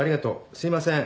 すいません。